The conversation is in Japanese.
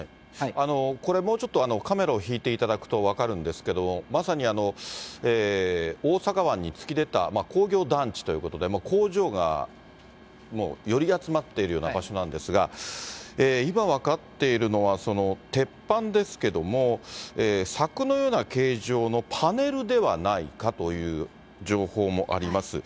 これ、もうちょっとカメラを引いていただくと分かるんですけど、まさに大阪湾に突き出た工場団地ということで、工場がもう寄り集まっているような場所なんですが、今分かっているのは、鉄板ですけども、柵のような形状のパネルではないかという情報もあります。